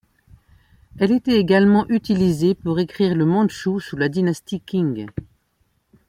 Elle était également utilisé pour écrire le mandchou sous la Dynastie Qing.